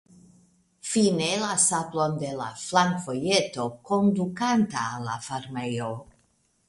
Fine la sablon de la flankvojeto kondukanta al la farmejo.